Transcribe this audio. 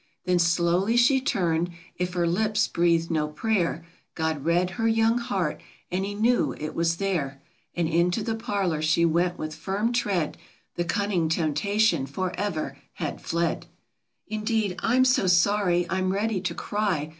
Then slowly she turned, — if her lips breathed no prayer, God read her young heart, and He knew it was there ; And into the parlor she went with firm tread; The cunning temptation forever had fled. "Indeed, I'm so sorry, I'm ready to cry!